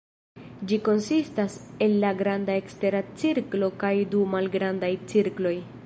Ĝi konsistas el la granda ekstera cirklo kaj du malgrandaj cirkloj.